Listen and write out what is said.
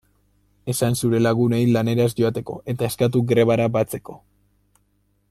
Esan zure lagunei lanera ez joateko, eta eskatu grebara batzeko.